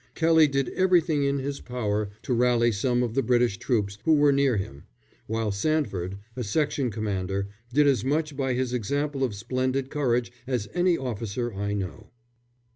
Kelly did everything in his power to rally some of the British troops who were near him, while Sandford, a section commander, did as much by his example of splendid courage as any officer I know.